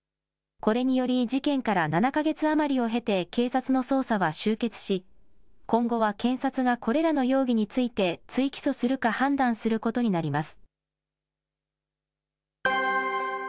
これにより、事件から７か月余りを経て警察の捜査は終結し、今後は検察がこれらの容疑について、追起訴するか判断することになります。